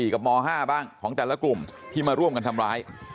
กับม๕บ้างของแต่ละกลุ่มที่มาร่วมกันทำร้าย